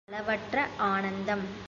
ஒரு அளவற்ற ஆனந்தம்.